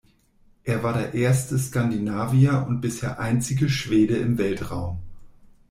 Er war der erste Skandinavier und bisher einzige Schwede im Weltraum.